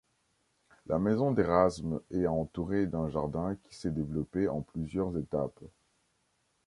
La maison d'Érasme est entourée d'un jardin qui s'est développé en plusieurs étapes.